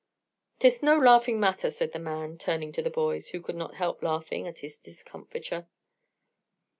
"'Tis no laughing matter," said the man, turning to the boys, who could not help laughing at his discomfiture.